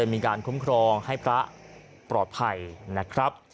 มีการคุ้มครองให้พระปลอดภัยนะครับ